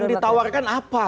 yang ditawarkan apa